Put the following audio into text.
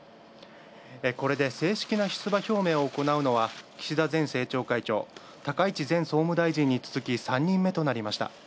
これで正式な出馬表明を行うのは、岸田政調会長、高市前総務大臣に続き、３人目となりました。